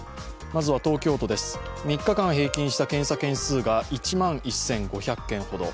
まずは東京都です、３日間平均した検査件数が１万１５００件ほど。